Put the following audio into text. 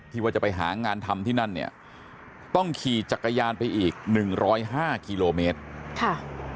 ว่าจะไปหางานทำที่นั่นเนี่ยต้องขี่จักรยานไปอีกหนึ่งร้อยห้ากิโลเมตรค่ะ